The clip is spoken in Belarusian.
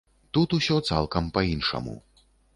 Тут усё цалкам па-іншаму.